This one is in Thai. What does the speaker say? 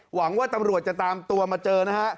หวังว่าตำรวจจะตามตัวมาเจอนะฮะ